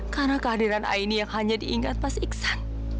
karena kehadiran aini yang hanya diingat mas iksan